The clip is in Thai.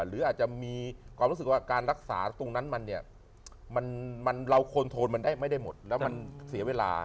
หรืออาจจะมีความรักษาตรงนั้นมันเนี่ยเราควรโทนมันได้ไม่ได้หมดแล้วมันเสียเวลา